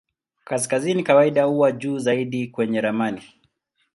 Kaskazini kawaida huwa juu zaidi kwenye ramani.